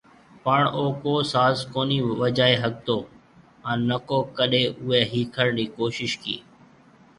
پڻ او ڪو ساز ڪونهي بجائي ۿگھتو هان نڪو ڪڏي اوئي ۿيکڻ ري ڪوشش ڪي